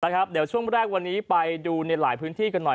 เดี๋ยวช่วงแรกวันนี้ไปดูในหลายพื้นที่กันหน่อย